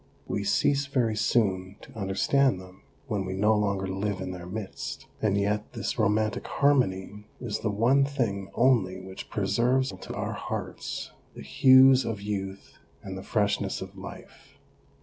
We cease very soon to understand them when we no longer live in their midst, and yet this romantic harmony is the one thing only which preserves to our hearts the hues of youth and the freshness of life.